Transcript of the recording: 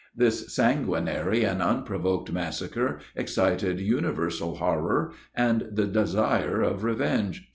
This sanguinary and unprovoked massacre excited universal horror, and the desire of revenge.